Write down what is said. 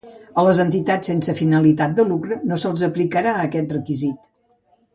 A les entitats sense finalitat de lucre no se'ls aplicarà aquest requisit.